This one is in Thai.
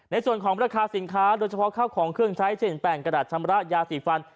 ในส่วนของราคาสินค้าโดยเฉพาะข้าวของเครื่องใช้เช่นแปลงกระดาษชำระยาสีฟัน